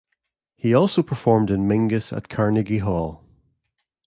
He also performed in Mingus at Carnegie Hall.